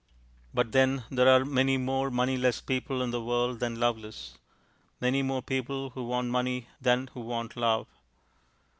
But then there are many more moneyless people in the world than loveless; many more people who want money than who want love.